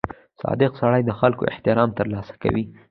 • صادق سړی د خلکو احترام ترلاسه کوي.